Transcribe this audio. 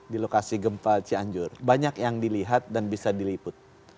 di lokasi gempa cianjur banyak yang dilihat dan bisa diliput